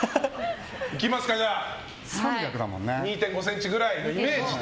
いきますか、２．５ｃｍぐらいのイメージで。